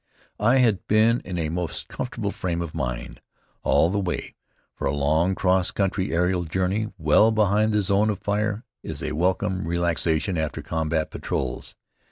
I had been in a most comfortable frame of mind all the way, for a long cross country aerial journey, well behind the zone of fire, is a welcome relaxation after combat patrols.